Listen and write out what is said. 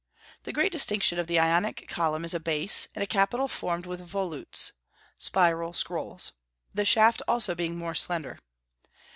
The great distinction of the Ionic column is a base, and a capital formed with volutes (spiral scrolls), the shaft also being more slender.